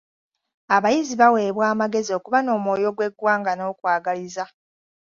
Abayizi baweebwa amagezi okuba n'omwoyo gw'eggwanga n'okwagaliza.